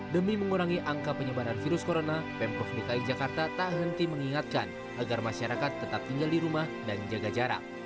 demi mengurangi angka penyebaran virus corona pemprov dki jakarta tak henti mengingatkan agar masyarakat tetap tinggal di rumah dan jaga jarak